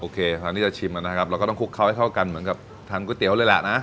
คราวนี้จะชิมนะครับเราก็ต้องคลุกเขาให้เข้ากันเหมือนกับทานก๋วยเตี๋ยวเลยแหละนะ